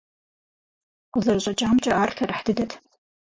Къызэрыщӏэкӏамкӏэ, ар лъэрыхь дыдэт.